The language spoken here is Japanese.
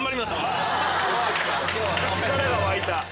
力が湧いた！